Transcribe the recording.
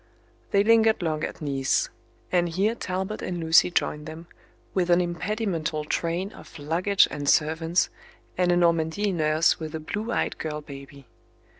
They lingered long at Nice; and here Talbot and Lucy joined them, with an impedimental train of luggage and servants, and a Normandy nurse with a blue eyed girl baby.